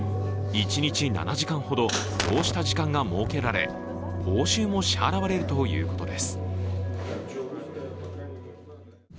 一日７時間ほどこうした時間が設けられ報酬も支払われるということです。